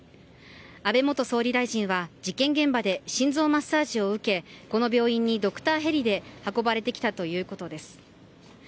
安倍元総理大臣は事件現場で心臓マッサージを受けこの病院にドクターヘリで運ばれてきたということです。